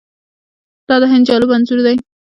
دا د هند جالب انځور دی.